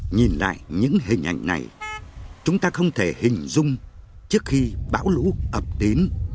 nhìn lại những hình ảnh này chúng ta không thể hình dung trước khi bão lũ ập đến